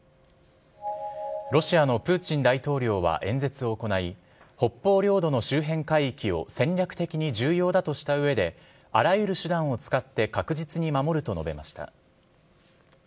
ロシアのプーチン大統領は演説を行い、北方領土の周辺海域を戦略的に重要だとしたうえで、あらゆる手段を使って確実に守ると述べました。